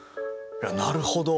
なるほど。